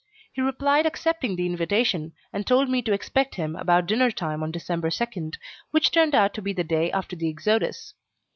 He replied accepting the invitation, and told me to expect him about dinner time on December 2, which turned out to be the day after the exodus.